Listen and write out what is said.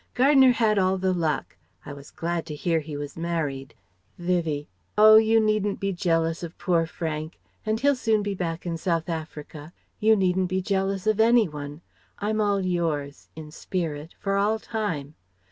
Gardner had all the luck.... I was glad to hear he was married." Vivie: "Oh you needn't be jealous of poor Frank. And he'll soon be back in South Africa. You needn't be jealous of any one. I'm all yours in spirit for all time.